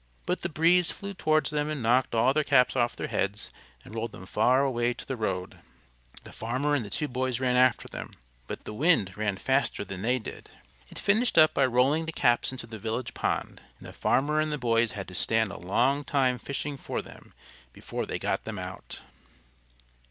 But the Breeze flew towards them and knocked all their caps off their heads, and rolled them far away to the road. The farmer and the two boys ran after them, but the Wind ran faster than they did. It finished up by rolling the caps into the village pond, and the farmer and the boys had to stand a long time fishing for them before they got them out.